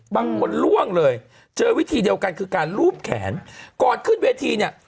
ล่วงเลยเจอวิธีเดียวกันคือการลูบแขนก่อนขึ้นเวทีเนี่ย